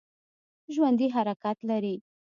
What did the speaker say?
ژوندي حرکت لري